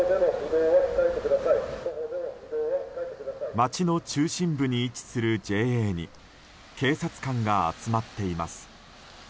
街の中心部に位置するＪＡに警察官が集まっています。